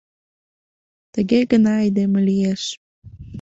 Тыге гына айдеме лиеш.